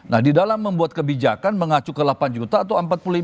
nah di dalam membuat kebijakan mengacu ke delapan juta atau empat puluh lima